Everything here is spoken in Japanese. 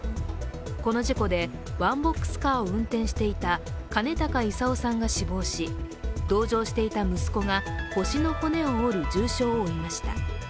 この事故でワンボックスカーを運転していた金高勲さんが死亡し、同乗していた息子が腰の骨を折る重傷を負いました。